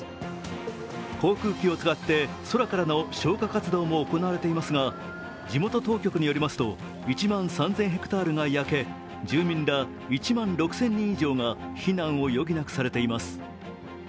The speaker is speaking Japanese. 航空機を使って空からの消火活動も行われていますが、地元当局によりますと１万３０００ｈａが焼け住民ら１万６０００人以上が避難を余儀なくされています。